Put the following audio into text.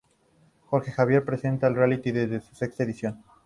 Jorge Javier presenta el reality desde su sexta edición.